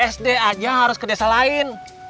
sd aja harus ke desa lain